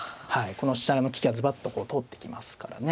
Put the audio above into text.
この飛車の利きがズバッと通ってきますからね。